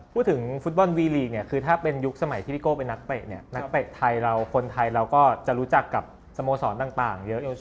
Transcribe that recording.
พูดถึงฟุตบอลวีลีกเนี่ยคือถ้าเป็นยุคสมัยที่พี่โก้เป็นนักเตะเนี่ยนักเตะไทยเราคนไทยเราก็จะรู้จักกับสโมสรต่างเยอะ